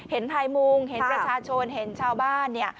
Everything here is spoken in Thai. เห็นไทมุงเห็นประชาชนเห็นชาวบ้าน